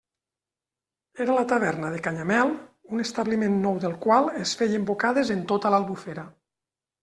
Era la taverna de Canyamel, un establiment nou del qual es feien bocades en tota l'Albufera.